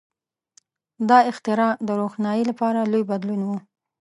• دا اختراع د روښنایۍ لپاره لوی بدلون و.